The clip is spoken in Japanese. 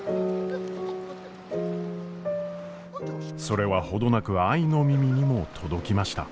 それは程なく愛の耳にも届きました。